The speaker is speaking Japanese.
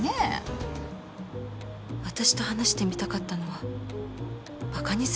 私と話してみたかったのはバカにするため？